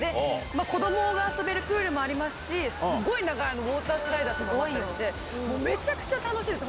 子供が遊べるプールもありますしすごい長いウォータースライダーあったりめちゃくちゃ楽しいです！